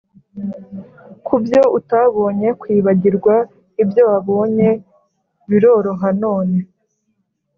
Ku byo utabonye kwibagirwa ibyo wabonye biroroha none